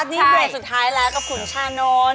นี่เวลสุดท้ายแล้วครับคุณชานนม